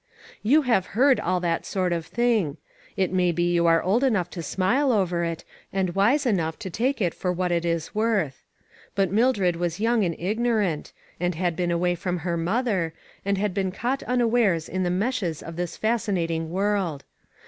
You have heard all that sort of thing. It may be you are old enough to smile over it, and wise enough to take it for what it is worth. But Mildred was young and igno rant, and had been away from her mother, and had been caught unawares in the meshes of this fascinating world.